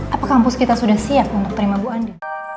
apa kampus kita sudah siap untuk terima bu andi